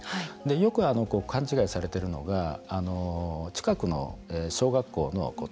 よく勘違いされているのが近くの小学校の体育館。